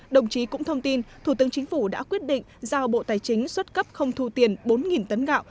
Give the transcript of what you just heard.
đồng chí cũng thông tin thủ tướng chính phủ đã quyết định giao bộ tài chính xuất cấp không thu tiền bốn tấn gạo